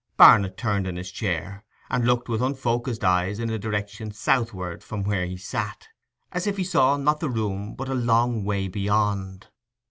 Barnet turned in his chair, and looked with unfocused eyes in a direction southward from where he sat, as if he saw not the room but a long way beyond.